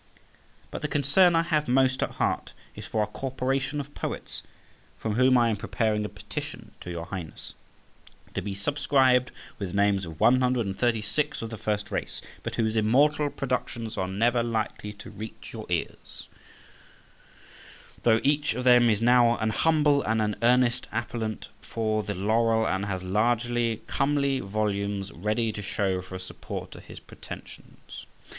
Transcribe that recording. But the concern I have most at heart is for our Corporation of Poets, from whom I am preparing a petition to your Highness, to be subscribed with the names of one hundred and thirty six of the first race, but whose immortal productions are never likely to reach your eyes, though each of them is now an humble and an earnest appellant for the laurel, and has large comely volumes ready to show for a support to his pretensions.